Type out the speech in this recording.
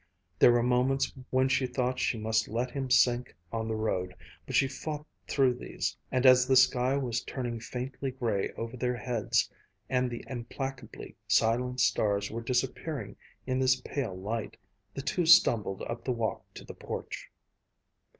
There were moments when she thought she must let him sink on the road, but she fought through these, and as the sky was turning faintly gray over their heads, and the implacably silent stars were disappearing in this pale light, the two stumbled up the walk to the porch.